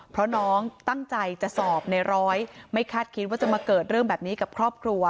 เพราะน้องตั้งใจจะสอบในร้อยไม่คาดคิดว่าจะมาเกิดเรื่องแบบนี้กับครอบครัว